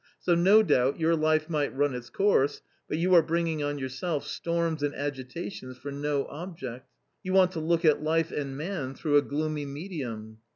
So no doubt your life might run its course, but you are bringing on your self storms and agitations for no object ; you want to look at life and man through a gloomy medium.